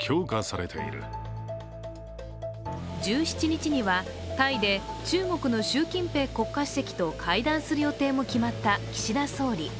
１７日にはタイで中国の習近平国家主席と会談する予定も決まった岸田総理。